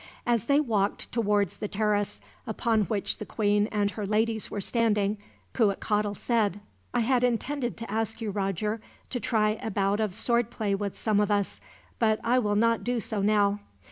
As they walked towards the terrace, upon which the queen and her ladies were standing, Cuitcatl said: "I had intended to ask you, Roger, to try a bout of sword play with some of us; but I will not do so now.